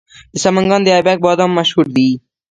د سمنګان د ایبک بادام مشهور دي.